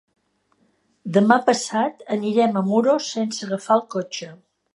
Demà passat anirem a Muro sense agafar el cotxe.